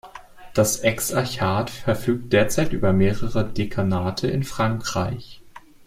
Das Exarchat verfügt derzeit über mehrere Dekanate in Frankreich.